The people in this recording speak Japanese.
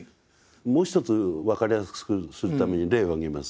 もう一つ分かりやすくするために例を挙げます。